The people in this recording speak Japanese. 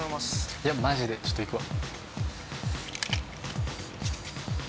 いやマジでちょっといくわ。